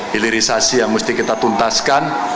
hilirisasi yang mesti kita tuntaskan